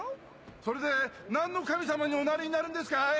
それで何の神様におなりになるんですかい？